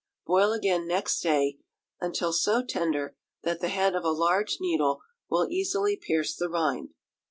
Boil again next day, until so tender that the head of a large needle will easily pierce the rind.